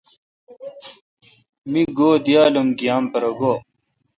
می گو دییال گییام پرگوئ۔